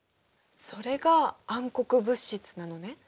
それが暗黒物質なのね！